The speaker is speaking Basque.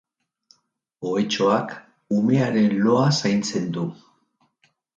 Ohetxoak umearen loa zaintzen du.